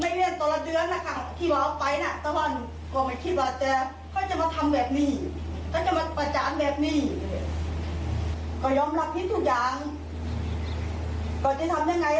ไม่เลี่ยนตลอดเดือนนะคะที่ว้าวไปน่ะแต่ว่า